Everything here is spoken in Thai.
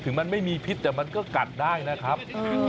มันไม่มีพิษแต่มันก็กัดได้นะครับ